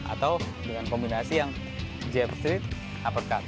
atau dengan kombinasi yang jab straight uppercut